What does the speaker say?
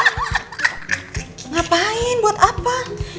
siapain buat apa